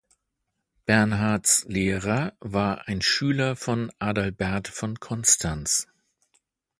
Bernhards Lehrer war ein Schüler von Adalbert von Konstanz.